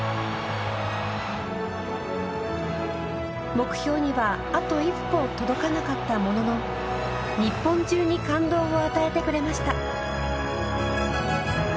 目標にはあと一歩届かなかったものの日本中に感動を与えてくれました。